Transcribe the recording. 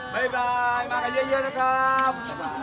บ๊ายบายมากกว่าเยอะนะครับ